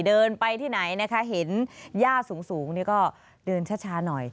เดินไปที่ไหนนะคะเห็นย่าสูงนี่ก็เดินช้าหน่อย